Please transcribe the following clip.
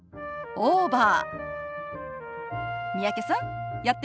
オーバー。